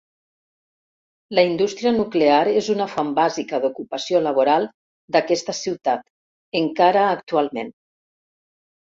La indústria nuclear és una font bàsica d'ocupació laboral d'aquesta ciutat encara actualment.